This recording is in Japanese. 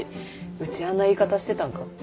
ウチあんな言い方してたんか？